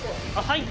はい。